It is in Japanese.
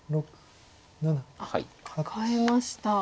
カカえました。